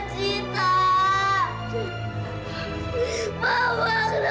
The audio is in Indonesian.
kenapa mama meninggal sita